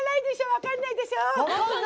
分かんないでしょ！